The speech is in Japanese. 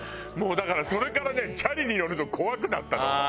もうだからそれからねチャリに乗るの怖くなったの。